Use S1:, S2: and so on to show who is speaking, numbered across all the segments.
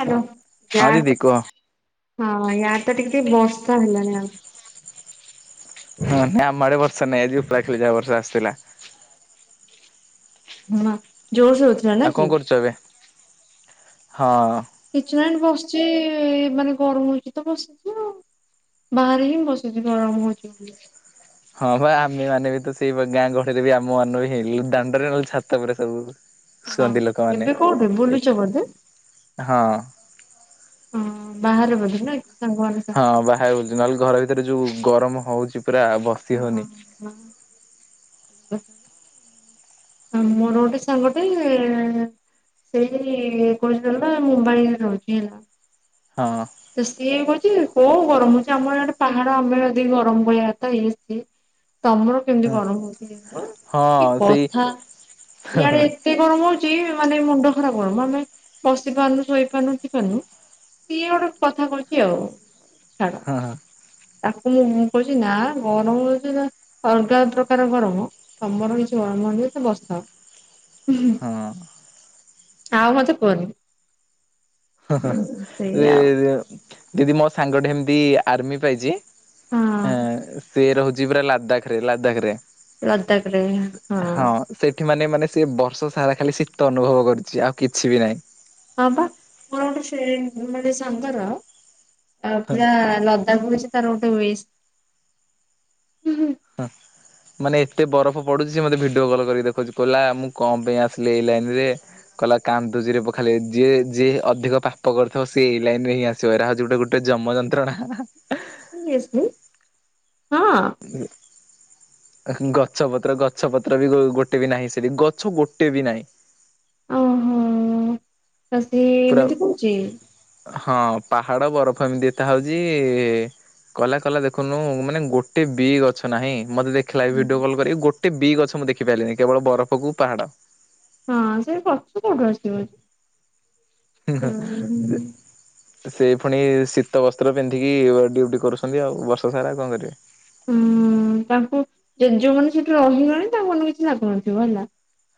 S1: Hello ୟା
S2: ହଁ ଦିଦି
S1: ତ
S2: କୁହ
S1: ହଁ ୟା ତ ଟିକେ ଟିକେ ବର୍ଷା ହେଲାଣି ଆଉ
S2: ହଁ ନାଇ ଆମ ଆଡେ ବର୍ଷା ନାଇଁ ଆଜି ଉପା ଖେ ଯାହା ବର୍ଷ ଆସିଥିଲା।
S1: ହଁ ଜୋର ସେ ହଉ।
S2: ଆଉ କଣ କରୁଛ ଏବେ ହଁ।
S1: କିଛି ନାଇଁ ବସିଛି ମାନେ ଗରମ ହଉଛି ତ ବସିଛି ଆଉ ବାହାରେ ହିଁ ବସୁଛି ଗରମ ହଉଛି ବୋଲି।
S2: ହଁ ବା ଆମେ ମାନେ ବି ତ ସେଇ ଗାଁ ଗହଳିରେ ବି ଆମ ମାନ ବି ହେଇଲୁ ଦାଣ୍ଡରେ ନଲେ ଛାତ ଉପରେ ସବୁ।
S1: ହଁ
S2: ଶୁଅନ୍ତି ଲୋକମାନେ
S1: ଏବେ କୋଉଠି
S2: ଏକ
S1: ବୁଲୁଚ ବୋଧେ?
S2: ହଁ
S1: ହଁ ବାହାରେ ବୋଧେ ନା [inaudible] ସାଙ୍ଗରେ
S2: ହଁ ବାହାରେ ବୁଲୁଚୁ, ନହେଲେ ଘର ଭିତରେ ଯୋଉ ଗରମ ହଉଚି ପୁରା ବ
S1: ହଁ, ହଁ [inaudible] ଆ, ମୋର ଗୋଟେ ସାଙ୍ଗ ଟେ ସେଇ କଣ ସେଟା ମୁମ୍ବାଇ ରେ ରହୁଛି ହେଲା।
S2: ହଁ।
S1: ତ ସିଏ କହୁଛି କଣ ଗରମ ହଉଚି ଆମର ଆଡେ ପାହାଡ ଆମର ଏଠି ଗରମ କହିବା ତ ଇଏ ସିଏ। ତୋମର କେମିତି ଗରମ ହଉଛି [inaudible] କି
S2: ହଁ ସେଇ
S1: କଥା ଇଆଡେ ଏ ତେ ଗରମ ହଉଚି ଏ ମାନେ ମୁଣ୍ଡ ଖରାପ ଗରମ, ମାନେ ବସି ପାରୁନୁ, ଶୋଇ ପାରୁନୁ, ଉଠି ପାରୁନୁ। ସିଏ ଗୋଟେ କଥା କହୁଚି ଆଉ ଛାଡ଼।
S2: ହଁ
S1: ତାକୁ ମୁଁ ମୁଁ କହୁଚି ନା ଗରମ ହଉଚୁ ଯେ ଅଲଗା ପ୍ରକାର ଗରମ। ତୋମର କିଛି ଗରମ ନ ହେଇକି ବର୍ଷା।
S2: ହଁ
S1: [unintelligible]
S2: ହଁ
S1: ଆଉ ମୋତେ କୁଅନି।
S2: ଏ ଯେ ଦିଦି ମୋ ସାଙ୍ଗଟେ ହେମତି ଆର୍ମି ପାଇଚି
S1: ହଁ
S2: ଆଁ, ସିଏ ରହୁଛି ପୁରା ଲାଦାଖ ରେ ଲଦାଖ ରେ।
S1: ଲଦାକ ରେ ହଁ।
S2: ସେଠି ମାନେ ମାନେ ସିଏ ବର୍ଷ ସାରା ଖାଲି ଶୀତ ଅନୁଭବ କରୁଛି ଆଉ କିଛି ବି ନାହିଁ।
S1: ହଁ ପି ମୋର ଗୋଟେେ ସେ ମାନେ ସାଙ୍ଗର ଅ, ପୁରା ଲ ଦାଖ ହଉଛି ତାର ରୋଟେ ଉଇସ୍।
S2: ହଁ। ମାନେ ଏତେ ବରଫ ପଡୁଛି ସିଏ ମୋତେ ଭିଡିଓ କଲ୍ କରିକି ଦେଖଉଚୁ। କହିଲା ମୁଁ କଣ ପାଇଁ ଆସିଲି ଏଇ ଲାଇନ୍ ରେ। କଲା କାନ୍ଦୁଚିରେ ପୁଅ ଖାଲି ଏ ଯିଏ ଯିଏ ଅଧିକ ପାପ କରିଥିବ ସିଏ ଏଇ ଲାଇନ୍ ରେ ହିଁ ଆସ ସେରା ହଉଛି ଗୋଟେ ଗୋଟେ ଯମ ଯନ୍ତ୍ରଣା।
S1: [unintelligible] ହଁ
S2: ହୁଁ, ଅ, ହୁଁ, ଗଛପତ୍ର ଗଛପତ୍ର ବି ଗୋ ଗୋଟେ ବି ନାହିଁ ସେଠି ଗଛ ଗୋଟେ ବି ନାହିଁ।
S1: ଓହୋ। ତ ସେ
S2: ପୁରା
S1: ଏମିତି କହୁଛି?
S2: ହଁ ପାହାଡ ବରଫ ଏମିତି ଦେଖା ହଉଚି। କଲା କଲା ଦେଖୁନୁ ମାନେ ଗୋଟେ ବି ଗଛ ନାହିଁ ମୋତେ ଦେ ଖିଲା ଏ ଭିଡିଓ କଲ୍ କରିକି ଗୋଟେ ବି ଗଛ ମୁଁ ଦେଖି ପାଇଲିନି କେବଳ ବରଫକୁ ପାହାଡ଼।
S1: ହଁ ସେ କରଛୁ କୋଉଠୁ ଆସିିବ?
S2: ହେ ହଁ ସେ ପୁଣି ଶୀତ ବସ୍ତ୍ର ପିନ୍ଧିକି ଡ୍ୟୁଟି କରୁଛନ୍ତି ଆଉ ବର୍ଷ ସାରା ଆଉ କଣ କରିବେ।
S1: ହୁଁ, ତାଙ୍କୁ ଯୋଉ ମାନେ ସେଠି ରହିଲେଣି ତାଙ୍କ ମାନଙ୍କୁ କିଛି ଲାଗୁନଥିବ ହେଲା।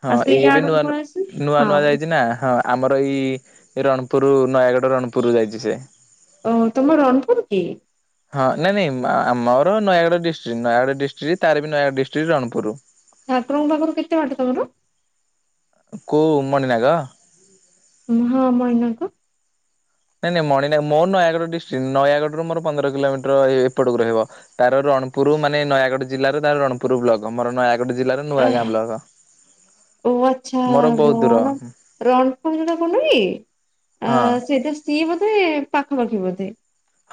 S2: ହଁ
S1: ଆଉ ସେ
S2: ଏଇ ଏବେ
S1: ଇଆଡକୁ ପଳେଇ ଆସିବେ
S2: ନୂଆନ- ନୂଆ
S1: ହଁ
S2: ନୂଆ ଯାଇଚି ନା ହଁ। ଆମର ଏଇ ରଣପୁର ନୟାଗଡ଼ ରଣପୁରରୁ ଯାଇଚି ସିଏ।
S1: ଓ ହୋ, ତୋମ ରଣପୁର କି?
S2: ହଁ ନାଇଁ ନାଇଁ ଆମର ନୟାଗଡ଼ ଡିଷ୍ଟ୍ରିକ୍ ନୟାଗଡ଼ ଡିଷ୍ଟ୍ରିକ୍। ତାର ବି ନୟାଗଡ଼ ଡିଷ୍ଟ୍ରିକ୍ ରଣପୁର।
S1: ଠାକୁରଙ୍କ ପାଖରୁ କେତେ ବାଟ ତୋମର?
S2: କୋଉ ମଣିନାଗ?
S1: ହଁ ମଣିନାଗ।
S2: ନାଇଁ ନାଇଁ ମଣିନାଗ, ମୋର ନୟାଗଡ଼ ଡିଷ୍ଟ୍ରିକ୍, ନୟାଗଡ଼ରୁ ମୋର ପନ୍ଦର କିଲୋମିଟର ଏପଟକୁ ରହିବ। ତାର ରଣପୁର ମାନେ ନୟାଗଡ ଜିଲ୍ଲାର ତାର ରଣପୁର ବ୍ଲକ୍। ମୋର ନୟାଗଡ଼ ଜିଲ୍ଲାର ନୂଆ
S1: ଏହ୍,
S2: ଗାଁ ବ୍ଲକ୍।
S1: ଓ ଆଚ୍ଛା, ରଣ ରଣପୁର ର କଣ୍ଡୁ କି? ଆ
S2: ହଁ।
S1: ସେଇଟା ଷ୍ଟି ବୋଧେ ପାଖାପାଖି ବୋଧେ?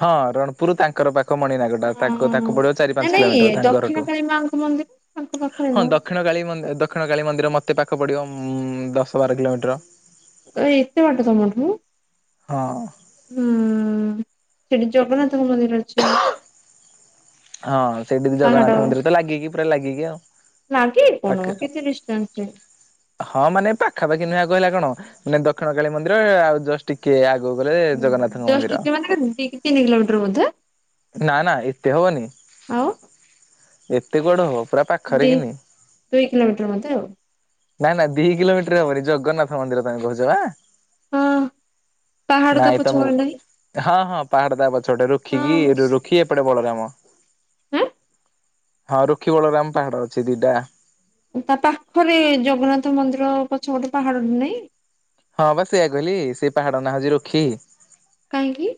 S2: ହଁ ରଣପୁରୁ ତାଙ୍କର ପା ଙ୍କମଣି ନାଗ ଟା
S1: ହଁ
S2: ତାକୁ ତାକୁ ପଡିବ ଚାରି
S1: ନାଇଁ
S2: ପାଞ୍ଚ
S1: ନାଇଁ
S2: କିଲୋମିଟର
S1: ଦକ୍ଷିଣ
S2: ତାଙ୍କଘରଠୁ
S1: କାଳୀ ମାଙ୍କ ମନ୍ଦିର ତାଙ୍କ ପାଖରେ
S2: ହଁ ଦଖ
S1: ନୁହଁ
S2: ଦକ୍ଷିଣ କଳୀ ମ ଦକ୍ଷିଣ କାଳୀ ମନ୍ଦିର ମୋତେ ପାଖ ପଡିବ ମ ଦଶ ବାର କିଲୋମିଟର।
S1: ଏ ଏତେ ବାଟ ତମଠୁ?
S2: ହଁ।
S1: ହୁଁ ସେଠି ଜଗନ୍ନାଥଙ୍କ ମନ୍ଦିର ଅଛି।
S2: ହଁ ସେଇଠି ବି ଜଗନ୍ନାଥ ମନ୍ଦିର ତ ଲାଗିକି ପୁରା ଲାଗିକି ଆଉ।
S1: ଲାଗିକି କଣ
S2: ପାଖେ।
S1: କେତେ ଡିଷ୍ଟାନ୍ସ ରେ।
S2: ହଁ ମାନେ ପାଖାପାଖି ନୁହେଁ କହିଲା କଣ ମାନେ ଦକ୍ଷିଣ କଳୀ ମନ୍ଦିର ଆଉ ଜଷ୍ଟ ଟିକେ ଆଗକୁ ଗଲେ ଜଗନ୍ନାଥଙ୍କ ମନ୍ଦିର।
S1: [unintelligible] ତିନି କିଲୋମିଟର ବୋଧେ?
S2: ନା ନା ଏତେ ହବନି
S1: ଆଉ
S2: ଏତେ କୁଆଡୁ ହବ ପୁରା ପା
S1: ଦି ଦୁଇ କିଲୋମିଟର ବୋଧେ ଆଉ?
S2: ନାଁ ନାଁ ଦି କିଲୋମିଟର ହବନି ଜଗନ୍ନାଥ ମନ୍ଦିର ତମେ କହୁଛ ପା?
S1: ହଁ ପାହାଡ ତା
S2: ନାଇଁ ତମ
S1: ପଛପଟେ ନାହିଁ
S2: କୁ ହଁ ହଁ ପାହାଡ ତା ପଛପଟେ ରୁଖିକି
S1: ହଁ
S2: ରୁଖି ଏପଟେ ବଳରାମ।
S1: ଆଁ?
S2: ହଁ ରୁକ୍ଷୀ ବଳ ରାମ ପାହାଡ ଅଛି ଦିଟା।
S1: ତା ପାଖରେ ଜଗନ୍ନାଥ ମନ୍ଦିର ପଛ ପଟେ ପାହାଡ ଟେ ନାହିଁ?
S2: ହଁ ବା ସେଇୟା କହିଲି ସେ ପାହାଡ ନା ହଉଛି ରୁଖି।
S1: କାହିଁକି?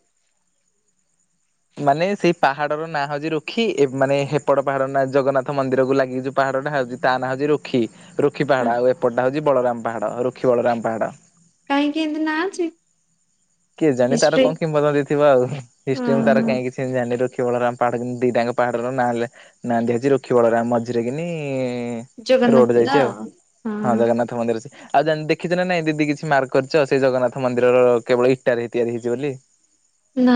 S2: ମାନେ ସେଇ ପାହାଡର ନାଁ ହଉଛି ରୁଖି ଏ ମାନେ ହେପଟ ପାହାଡ଼ ନା ଜଗନ୍ନାଥ ମନ୍ଦିରକୁ ଲାଗି ଯଉ ପାହାଡଟା ହଉଛି ତା ନାଁ ହଉଛି ରୁକ୍ଷୀ ରୁକ୍ଷୀ ପାହାଡ ଆଉ ଏପଟା ହଉଛି ବଳରାମ ପାହାଡ ରୁକ୍ଷୀ ବଳରାମ ପାହାଡ।
S1: କାହିଁକି ଏମିତି ନା ଅଛି?
S2: କିଏ ଜାଣି ତାର
S1: ହିଷ୍ଟ୍ରି
S2: କଣ କିମ୍ବନ୍ଦନ୍ତୀ ଥିବ ଆଉ ହିଷ୍ଟ୍ରି ମୁଁ ତାର
S1: ଓହୋ
S2: କାଇଁ କିିଛି କେମିତି ଜାଣିଲି ରୁଖି ବଳରାମ ପାହାଡ଼ କିନ୍ତୁ ଦିଟାଙ୍କ ପାହାଡ଼ର ନା ହେଲେ ନାଁ ଦିଆ ହେଇଛି ରୁଖି ବଳରାମ ମଝିରେ କିିନି ରୋଡ଼
S1: ଜଗନ୍ନାଥ ତ
S2: ଯାଇଛି ଆଉ
S1: ହଁ
S2: ହଁ ଜଗନ୍ନାଥ ମନ୍ଦିର ଅଛି। ଆଉ ଯାନ ଦେଖିଛ ନା ନାଇଁ ଦିଦି କିଛି ମାର୍କ କରିଛ ସେଇ ଜଗନ୍ନାଥ ମନ୍ଦିରର କେବଳ ଇଟାରେ ହିଁ ତିଆରିହେଇଛି ବୋଲି।
S1: ନା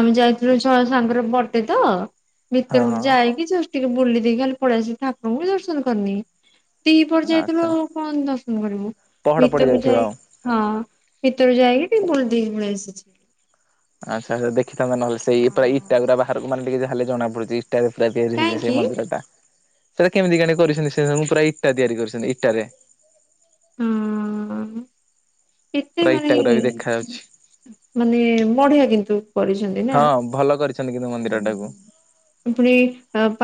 S1: ଆମେ ଯାଇଥିଲୁ ଛଆ ସାଙ୍ଗରେ ବଟେ ତ?
S2: ହଁ
S1: ଭିତରକୁ
S2: ହଁ
S1: ଯାଇକି ଯଷ୍ଟ ଟିକେ ବୁଲି ଦେଇକି ଖାଲି ପଳେଆସିଲି ଠାକୁରଙ୍କୁ ବି ଦର୍ଶନ କରିନି। ଦିହିପହରେ ଯାଇଥିଲୁ
S2: ଆଚ୍ଛା
S1: ଆଉ କଣ ଦର୍ଶନ କରିବୁ
S2: ପହଡ ପଡି
S1: ଭିତରକୁ
S2: ଯାଇଥିବ
S1: ଯାଇ
S2: ଆଉ।
S1: ହଁ ଭିତରୁ ଯାଇକି ଟିକେ ବୁଲି ଦେଇକି ପଳେଇ ଆସିଛି।
S2: ଆଚ୍ଛା ଆଚ୍ଛା ଦେଖିଥାନ୍ତ ନହେଲେ ସେଇ ପୁରା ଇଟା ଗୁରା ବାହାରକୁ ମାନେ ଟିକେ ଯାହାହେଲେ ଜଣା ପଡୁଛି। ଇଟାରେ ପୁରା ତିଆରି ହେଇଛି ସେଇ
S1: କାହିଁକି
S2: ମନ୍ଦିର ଟା। ସେଇଟା କେମତି କିଆଁଣି କରିଛନ୍ତି ସେ ସବୁ ପୁରା ଇଟା ତିଆରି କରିଛନ୍ତି ଇଟାରେ।
S1: ହୁଁ।
S2: ପୁରା ଇଟା ଗୁରା ବି ଦେଖା ଯାଉଛି।
S1: ମାନେ ମଢିଆ କିନ୍ତୁ କରିଛନ୍ତି ନା
S2: ହଁ ଭଲ କରିଛନ୍ତି କିନ୍ତୁ ମନ୍ଦିର
S1: ହୁଁ।
S2: ଟାକୁ
S1: ପୁଣି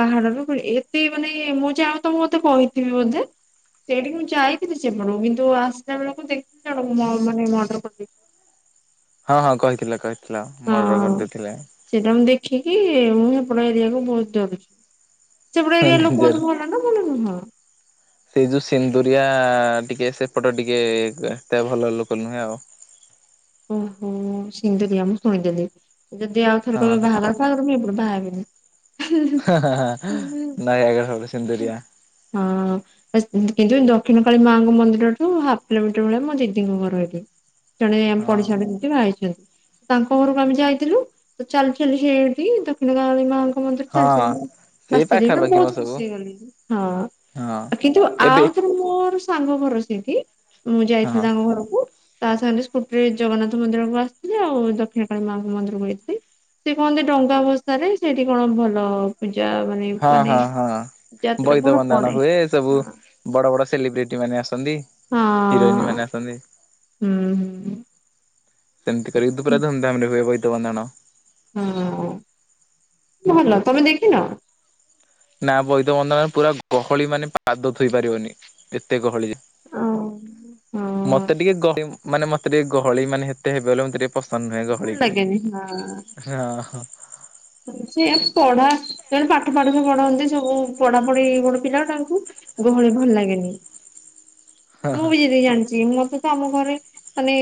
S1: ପାହାଡରୁ ପୁଣି ଏତେ ମାନେ ମୁଁ ଯାଆ ତ ମୁ ମତେ କହିଥିବି ବୋଧେ? ସେଇଠିକି ମୁଁ ଯାଇଥିଲି ସେପଟକୁ କିନ୍ତୁ ଆସିଲା ବେଳକୁ ଦେଖିଲି ଜଣକୁ ମ ମାନେ ମର୍ଡର କରିଦେଇ
S2: ହଁ ହଁ କହିଥିଲ କହିଥିଲ ମର୍ଡର
S1: ହଁ
S2: କରିଦେଇଥିଲେ।
S1: ସେଇଟା ମୁଁ ଦେଖିକି ମୁଁ ସେପଟ ଏରିଆକୁ ବହୁତ ଡରୁଛି। ସେପଟ
S2: ହଁ
S1: ଏରିଆ
S2: ଡେଞ୍ଜର।
S1: ଲୋକମାନେ ଭଲ ନା ଭଲ ନୁହଁ।
S2: ସେଇ ଯୋଉ ସିନ୍ଦୁରିଆ ଟିକେ ସେପଟ ଟିକେ ଏତେ ଭଲ ଲୋକ ନୁହେଁ ଆଉ।
S1: ଓହୋ ସିନ୍ଦୁରିଆ ମୁଁ ଶୁଣିଦେଲି ଯଦି ଆଉ ଥରେ
S2: ହଁ
S1: କହିବେ ବାହାଘର ଫାଘର ମୁଁ ବାହା ହେବିନି
S2: ହା ହା ହା ନୟାଗଡର ସିନ୍ଦୁରିଆ।
S1: ହଁ। କିନ୍ତୁ ଦକ୍ଷିଣ କାଳୀ ମାଆଙ୍କ ମନ୍ଦିରଠୁ ହାଫ୍ କିଲୋମିଟର ଭଳିଆ ମୋ ଦିଦିଙ୍କ ଘର ହେଥି। ଜଣେ ଏମ
S2: ହଁ।
S1: ପଡିଛ ଆଇଛନ୍ତି ତାଙ୍କ ଘରକୁ ଆମେ ଯାଇଥିଲୁ ତ ଚାଲି ଚାଲି ସେଠି ଦକ୍ଷିଣ କାଳୀ ମାଙ୍କ ମନ୍ଦିର ଚାଲି
S2: ହଁ
S1: ଚାଲି
S2: ସେଇ
S1: ଆସିଥିଲେ ନା
S2: ପାଖାପାଖି ମ
S1: ବହୁତ
S2: ସବୁ
S1: ଖୁସି। ହଁ କିନ୍ତୁ
S2: ଏବେ
S1: ଆଉଥର ମୋର ସାଙ୍ଗ ଘର ସେଠୀ। ମୁଁ
S2: ହଁ।
S1: ଯାଇଥିଲି ତାଙ୍କ ଘରକୁ। ତା ସାଙ୍ଗରେ ସ୍କୁଟିରେ ଜଗନ୍ନାଥ ମନ୍ଦିର କୁ ଆସିଥିଲି ଆଉ ଦକ୍ଷିଣ କଳୀ ମାଙ୍କ ମନ୍ଦିର କୁ ଯାଇଥିଲି। ସେ କହନ୍ତି ଡଙ୍ଗା ଭସାରେ ସେଇଠି କଣ ଭଲ ପୂଜା ମାନେ ମାନେ ଯାତ୍ରା
S2: ବଇତ
S1: ଭଲ
S2: ବନ୍ଦାଣ
S1: ପଡେ
S2: ହୁଏ ସବୁ
S1: ହଁ
S2: ବଡ ବଡ ସେଲିବ୍ରିଟି ମାନେ ଆସୁ ଚନ୍ତି
S1: ହଁ
S2: ହିରୋଇନ ମାନ ଆସନ୍ତି।
S1: ହୁଁ
S2: ସେମିତି କରିକି ଦ ପୁରା ଧୁମଧାମରେ ହୁଏ ବଇତ ବନ୍ଦାଣ।
S1: ହଁ ଭଲ ତମେ ଦେଖିନ।
S2: ନା ବଇଦ ବନ୍ଦାଣରେ ପୁରା ଗହଳି ମାନେ ପାଦ ଥୋଇ ପାରିବନି ଏତେ ଗହଳି ଯେ।
S1: ହଁ
S2: ମତେ
S1: ଭଲ
S2: ଟିକେ ଗହଳି ମାନେ ମତେ ଟିକେ ଗହଳି ମାନେ ହେତେ ହେବେ ବଲେ ମତେ ଟିକେ ପସନ୍ଦ ନୁହେଁ ଗହଳିକୁ।
S1: ଲାଗେନି ହଁ। ସେ ପଢା ଜଣେ ପାଠ ଫାଠ ପଢନ୍ତି ସବୁ ପଢା ପଢି ଗୋଟେ ପିଲା ତାଙ୍କୁ ଗହଳି ଭଲ ଲାଗେନି ମୁଁ ଯେତିକି ଜାଣିଛି ମତେ ଆମ ଘରେ ମାନେ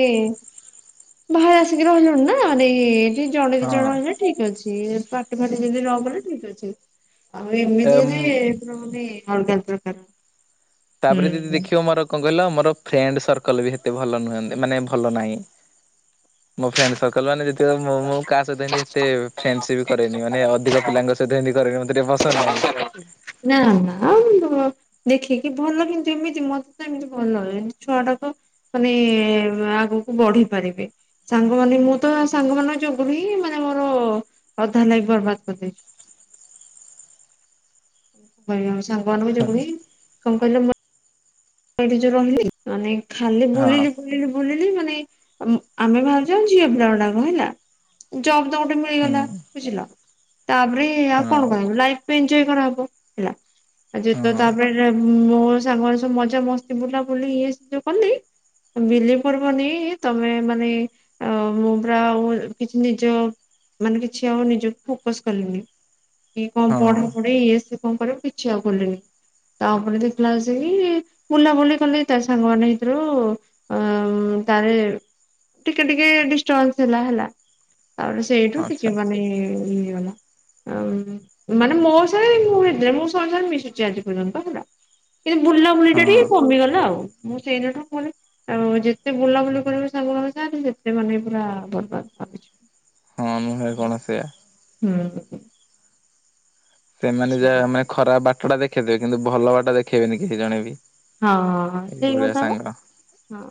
S1: ବାହାରେ ଆସିକି ରହିଲୁଣି ନା ମାନେ ଜଣେ ଦି
S2: ହଁ
S1: ଜଣ ହେଲେ ଠିକ ଅଛି ପାଟି ଫାଟି ଯଦି ନ ଗଲେ ଠିକ ଅଛି। ଆଉ
S2: ଏମ୍
S1: ଏମିତିରେ ପୁରା ମାନେ ଅଲଗା ପ୍ରକାର।
S2: ତାପରେ ଦିଦି
S1: ହୁଁ।
S2: ଦେଖିବ ମୋର କଣ କହିଲ ମୋର ଫ୍ରେଣ୍ଡ ସର୍କଲ ବି ଏତେ ଭଲ ନୁହନ୍ତି ମାନେ ଭଲ ନାହିଁ। ମୋ ଫ୍ରେଣ୍ଡ ସର୍କଲ ମାନେ ଯେତେଳେ ମୁଁ ମୁଁ କାହା ସହିତ ଏତେ ଫ୍ରେଣ୍ଡସିପ କରେନି ମାନେ ଅଧିକ ପିଲାଙ୍କ ସହିତ ଏମିତି କରେନି ମତେ ଟିକେ ପସନ୍ଦ ନାହିଁ।
S1: ନା ନା ଆଉ ନ ଦେଖିକି ଭଲ କିନ୍ତୁ ଏମିତି ମତେ ତ ଏମିତି ଭଲ ଏମିତି ଛୁଆଟା ଗୁଡାକ ମାନେ ଆଗକୁ ବଢି ପାରିବେ। ସାଙ୍ଗ ମାନେ ମୁଁ ତ ସାଙ୍ଗ ମାନଙ୍କ ଯୋଗୁରୁ ହିଁ ମାନେ ମୋର ଅଧା ଲାଗି ବର୍ବାଦ କରିଦେଇଛି। କହିବ ଆ ସାଙ୍ଗମାନଙ୍କୁ ଯୋଗୁଁ ହିଁ କଣ କହିଲ ଏଇଠି ଯୋଉ ରହିଲି ମାନେ ଖାଲି
S2: ହଁ
S1: ବୁଲିଲି ବୁଲିଲି ବୁଲିଲି ମାନେ ଆମେ ଭାବୁଛ ଝିଅ ପିଲା ଗୁଡାକ ହେଲା। ଜବ ତ ଗୋଟେ
S2: ହୁଁ
S1: ମିଳିଗଲା ବୁଝିଲ। ତାପରେ ଆଉ
S2: ହଁ
S1: କଣ କରା ହବ ଲାଇଫ ଏନଞ୍ଜୟ୍ କରାହବ ହେଲା। ଆଜି ଜେତ
S2: ହଁ
S1: ତାପ ରେ ମୋ ସାଙ୍ଗ ମାନେ ସବୁ ମଜା ମସ୍ତି ବୁଲାବୁଲି ଇଏ ସିଏ ଯୋଉ କଲି। ବିଲିଭ କରିବନି ତମେ ମାନେ ଆଉ ମୁଁ ପୁରା ଆଉ କିଛି ନିଜ ମାନେ କିଛି ଆଉ ନିଜକୁ ଫୋକସ କଲିନି। କି କଣ ପଢା
S2: ହଁ
S1: ପଢି ଇଏ ସିଏ କଣ କରିବ କିଛି ଆଉ କଲିନି। ତାପରେ ଦେଖିଲା ହେଳକୁ ସେଇ ବୁଲାବୁଲି କଲି ତା ସାଙ୍ଗ ମାନେ ଭିତୁରୁ ଆ ଉଁ ତାରେ ଟିକେ ଟିକେ ଡିଷ୍ଟଭାନ୍ସ ହେଲା ହେଲା। ତାପରେ ସେଇଠୁ
S2: ଆଚ୍ଛା
S1: ଟିକେ ମାନେ ଇ ହେଇଗଲା। ଆଉ ମାନେ ମୋ [unintelligible] ମିଶୁଚି ଆଜି ପର୍ଯ୍ୟନ୍ତ ହେଲା। କିନ୍ତୁ, ବୁଲା ବୁଲିଟା ଟିକେ
S2: ହଁ
S1: କମିଗଲା ଆଉ। ମୁଁ ସେଇଦିନଠୁ କଲି ଆଉ ଯେତେ ବୁଲାବୁଲି କରିବୁ ସାଙ୍ଗ ମାନଙ୍କ ସହ। ତୁ ସେତେ ମାନେ ପୁରା ବର୍ବାଦ୍ [inaudible] ଯିବୁ।
S2: ହଁ ନୁହେଁ କଣ ସେୟା
S1: ହୁଁ।
S2: ସେମାନେ
S1: ସେଇଆ।
S2: ଯାହା ମାନେ ଖରାପ ବାଟ ଟା ଦେଖେଇଦେବେ। କିନ୍ତୁ ଭଲ ବାଟ ଦେଖେଇବେନି କେହି ଜଣେ ବି?
S1: ହଁ-ହଁ-ହଁ ସେଇ
S2: ଏଇଭଳିଆ
S1: କଥାପା,
S2: ସାଙ୍ଗ
S1: ହଁ।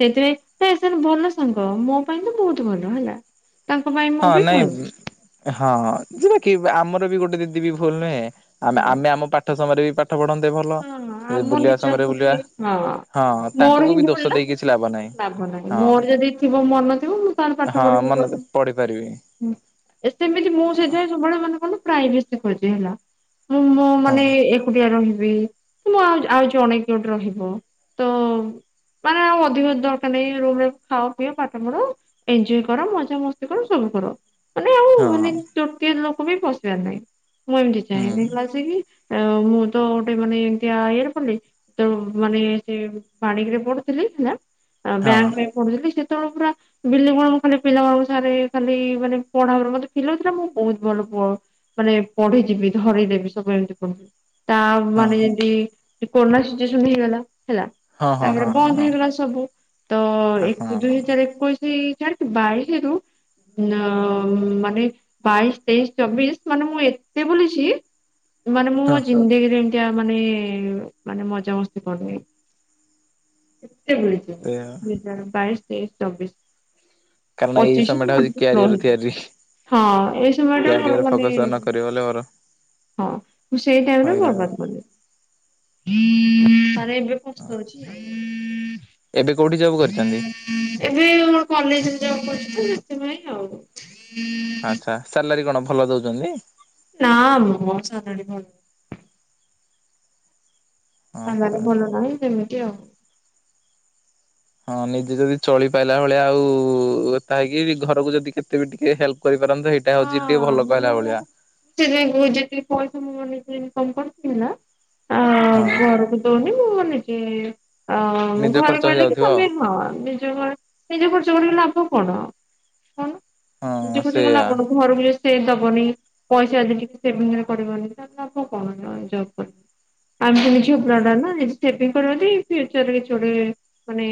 S1: ସେଥି ପାଇଁ ତେ ସେ ତ ଭଲ ସାଙ୍ଗ, ମୋ ପାଇଁ ତ ବହୁତ ଭଲ ହେଲା। ତାଙ୍କ ପାଇଁ
S2: ହଁ,
S1: ମୁଁ ବି ଭଲ
S2: ନାଇଁ ହଁ, ଯିବା କି ଆମର ବି ଗୋଟେ ଦିଦି ବି ଭୁଲ ନୁହେଁ। ଆମେ
S1: ହଁ
S2: ଆମେ ଆମ ପାଠ ସମୟରେ ବି ପାଠ ପଢନ୍ତେ ଭଲ।
S1: ହଁ
S2: ଯେ
S1: ଆମ
S2: ବୁଲିବା
S1: ନିଜକୁ
S2: ସମୟରେ
S1: ବି
S2: ବୁଲିବା।
S1: ହଁ।
S2: ହଁ
S1: ମୋର
S2: ତାଙ୍କୁକୁ
S1: ହିଁ
S2: ବି
S1: ଭଲ
S2: ଦୋଷ ଦେଇକି କିଛି ଲାଭ ନାହିଁ।
S1: ଲାଭ ନାହିଁ।
S2: ହଁ
S1: ମୋର ଯଦି ଥିବ ମନ ଥିବ, ମୁଁ ତାହେଲେ ପାଠ
S2: ହଁ
S1: ପଢ଼ିବି କି
S2: ମନେ
S1: ପଢ଼ି
S2: ପଢି ପାରିବି
S1: ହୁଁ, ଏ ସେମିତି ମୁଁ ସେଥି ପାଇଁ ସବୁବେଳେ ମାନେ କଣ ନା ପ୍ରାଇଭେସି ଖୋଜେ ହେଲା। ମୁଁ ମୋ
S2: ହଁ
S1: ମାନେ ଏ-ଏକୁଟିଆ ରହିବି। ମୁଁ, ଆଉ-ଆଉ ଜଣେ କିଏ ଗୋଟେ ରହିବ ତ ମାନେ ଆଉ ଅଧିକ ଦରକାର ନାହିଁ, ରୁମ୍ ରେ ଖାଅ ପିଅ ପାଠ ପଢ। ଏନ୍ଞ୍ଜୟ କର ମଜା ମସ୍ତି କର, ସବୁ କର। ମାନେ ଆଉ
S2: ହଁ
S1: ମାନେ ତୃତୀୟ ଲୋକ ବି ପଶିବାର ନାହିଁ। ମୁଁ ଏମିତି
S2: ହୁଁ
S1: ଚାହେଁବି। ଦେଖିଲାସିକି ଆ ମୁଁ ତ ଉଟ୍ ଟେ ମାନେ ଏମତିଆ ଇଏରେ ପଲି, ତ ମାନେ ସେ ପାଣିଗ୍ ରେ ପଢୁଥିଲି ହେଲା। ଆଁ
S2: ହଁ
S1: ବ୍ୟାଙ୍କ୍ ପାଇଁ ପଢୁଥିଲି। ସେତେବେଳୁ ପୁରା ବିଲିଭ୍ କର, ମୁଁ ଖାଲି ପିଲା ମାନକ ସାରେ ଖାଲି ମାନେ, ପଢାର ମତେ ପିଲିଭ୍ ଥିଲା ମୁଁ ବହୁତ ଭଲ ପୁଅ ମାନେ ପଢିଯିବି ଧରିଦେବି ସବୁ ଏମିତି କରୁ। ତା
S2: ହଁ
S1: ମାନେ ଯେଁତି କୋରୋନା ସିଚୁଏସନ୍ ହେଇଗଲା ହେଲା।
S2: ହଁ ହଁ
S1: ତା'ପରେ
S2: ହଁ
S1: ବନ୍ଦ ହେଇଗଲା
S2: ହଁ
S1: ସବୁ। ତ
S2: ହଁ
S1: ଏକ ଦୁଇ ହଜାର ଏକୋଇଶି ଛାଡୁ ବାଇଶିରୁ ନଅ-ଅ ମାନେ ବାଇଶ, ତେଇଶ, ଚବିଶ ମାନେ ମୁଁ ଏତେ ବୁଲିଛି। ମାନେ ମୁଁ
S2: ହଁ
S1: ମୋ ଜିନ୍ଦେଗିରେ ଏମ୍ ତିଆ ମାନେ-ଏ, ମାନେ ମଜା ମସ୍ତି କରିନି। ଏତେ ବୁଲିଚି!
S2: ଏଆ।
S1: ଦୁଇ ହଜାର ବାଇଶ, ତେଇଶ, ଚବିଶ୍।
S2: କାରଣ ଏଇ ସମୟଟା ହଉଚି
S1: ସ୍ଲୋ
S2: କ୍ୟାରିଅର
S1: ହେଇଯାଇଛି।
S2: ତିଆରିହି।
S1: ହଁ, ଏଇ ସମୟ ଟା ମୋର ମାନେଁ
S2: ନ କରିବ ବୋଲେ ମୋର
S1: ହଁ, ମୁଁ ସେଇ ଟାଇମ୍ ରେ
S2: ହଇରାଣ
S1: ବର୍ବାଦ। ବଲେ, ତାରେ ଏବେ ପସ୍ତଉଚି ଆଉ।
S2: ଏବେ କୋଉଠି ଜବ୍ କରିଚନ୍ତି?
S1: ଏବେ ଏଇଓ କଲେଜରେ ଜବ୍ କରିଚି ତ, ସେଥିପାଇଁ ଆଉ।
S2: ଆଚ୍ଛା, ସାଲାରୀ କଣ ଭଲ ଦଉଚନ୍ତିଁ?
S1: ନାଁ ମଁ ସାଲାରୀ ଭଲ ନା
S2: ଆଚ୍ଛା
S1: ସଲାରୀ ଭଲ ନାହିଁ, ସେମିତି ଆଉ।
S2: ହଁ, ନିଜେ ଯଦି ଚଳିପାଇଲା ଭଳିଆ ହଉ-ଉ, ଏତା ହେଇକି ବି ଘରକୁ ଯଦି କେତେ ବି ଟିକେ ହେଲ୍ପ କରିପାରନ୍ତେ? ହେଇ ଏଟା ହଉଚି ଟିଏ ଭଲ କହିଲା ଓଳିଆ।
S1: ସେଇଥିପାଇଁ କହୁଚି ଟିକେ ପଇସା ମୁଁ ମୋ ନିଜେ ଇନ୍ କମ୍ କରିକିନା ଆଁ-ଆଁ
S2: ହଁ
S1: ଘରୁକୁ ଦଉନି ମୁଁ, ମୋ ନିଜେ-ଏ ଅଁ,
S2: ନିଜ
S1: ଘରେ
S2: ଖର୍ଚ୍ଚ
S1: କହିଲେ କି
S2: ହେଇଯାଉଥିବ
S1: ତମେ ହଁ ନିଜ ଘରେ ନିଜେ ଖର୍ଚ କରିକି ଲାଭ କଣ କହୁନ?
S2: ଆଉ
S1: ନିଜେ
S2: ହଁ
S1: ଖର୍ଚ୍ଚ କରି ଲାଭ
S2: ସେଇଆ
S1: ଘରକୁ ଯଦି ସେ ଦବନି। ପଇସା ଯଦି ଟିକେ ସେଭିଙ୍ଗରେ କରିବନି ତାହେଲେ ଲାଭ କଣ ଜ ଜବ୍ କରି ଆମକୁ ନିଜ୍- [unintelligible] ସେଭିଙ୍ଗ କରିଵ ଯଦି ଫିଉଚରରେ କିଛି ଗୋଟେ ମାନେ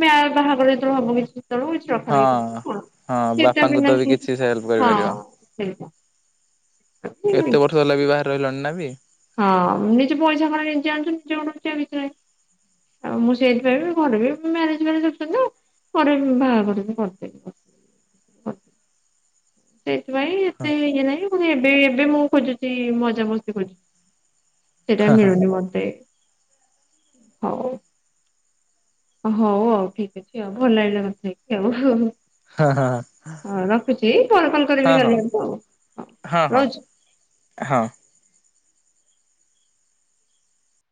S1: ମ୍ୟା ବାହାଘର ଯେତେବେଳେ ହବ କିଛି ସେତେବେଳକୁ କିଛି ଚି ଅର୍ଥ ରହିବ
S2: ହଁ
S1: କଣ
S2: ହଁ
S1: ସେଇଟା ବି
S2: ବାପାଙ୍କୁ ତ
S1: ନାହିଁ
S2: କିଛି ସେ ହେଲ୍ପ
S1: ହଁ
S2: କରିପାରିବ।
S1: ସେଇଟା।
S2: ଏତେ ବର୍ଷ ହେଲା ବି ବାହାରେ ରହିଲଣି ନା ବେ?
S1: ହଁ ନିଜେ ପଇସା କଣ ନିଜେ ଆଣୁଚନ୍ତି ନିଜେ [unintelligible] ଆଉ ମୁଁ ସେଇଥିପାଇଁ ବି ଘର ବି ମ୍ୟାରେଜ ମ୍ୟାରେଜ ହଉଛନ୍ତି ଯେ ପରେ ବି ବାହାଘର ବି କରିଦେଇଛନ୍। ସେଇଥିପାଇଁ ଏତେ ଇଏ ନାହିଁ ପୁଣି ଏବେ ଏବେ ମୁଁ ଖୋଜୁଛି ମଜାମସ୍ତି ଖୋଜୁ ସେଟା
S2: ହଁ
S1: ମିଳୁନି ମତେ ହଉ। ହଉ ଆଉ ଠିକ ଅଛି ଆଉ ଭଲ ଲାଗିଲା କଥା ହେଇକି ଆଉ।
S2: ହଁ ହଁ
S1: ଅ ରଖୁଛି ପରେ କଲ
S2: ହଁ
S1: କରିବି
S2: ହଁ
S1: କାଲି ଆଡ଼କୁ ଆଉ ହଉ
S2: ହଁ ହଁ
S1: ରହୁଛି।
S2: ହଁ।